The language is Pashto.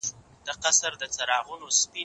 هغه څوک چي مېوې خوري قوي وي